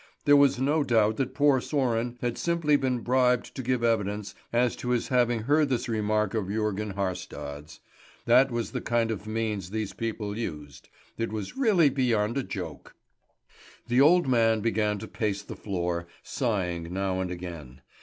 There was no doubt that poor Sören had simply been bribed to give evidence as to his having heard this remark of Jörgen Haarstad's. That was the kind of means these people used; it was really beyond a joke. The old man began to pace the floor, sighing now and again.